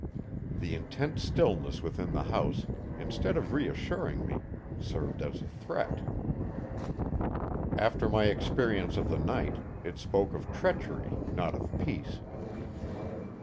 The intense stillness within the house, instead of reassuring me, served as a threat. After my experience of the night, it spoke of treachery, not of peace.